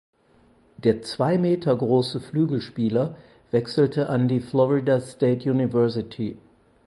Der zwei Meter große Flügelspieler wechselte an die Florida State University.